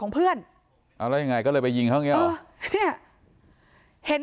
ของเพื่อนเอาแล้วยังไงก็เลยไปยิงเข้าเนี้ยอ๋อเนี้ยเห็น